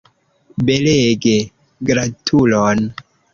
Belege, gratulon!